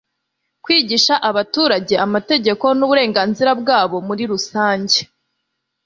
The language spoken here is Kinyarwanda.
kwigisha abaturage amategeko n'uburenganzira bwabo muri rusange